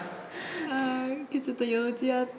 ああ今日ちょっと用事あって。